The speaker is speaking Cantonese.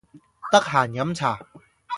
得閒飲茶